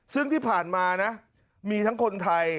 ซึ่งที่ผ่านมานะมีทั้งคนไทย